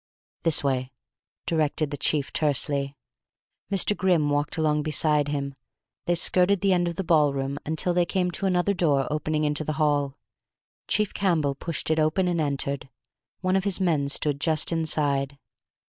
"This way," directed the chief tersely. Mr. Grimm walked along beside him. They skirted the end of the ball room until they came to another door opening into the hall. Chief Campbell pushed it open, and entered. One of his men stood just inside.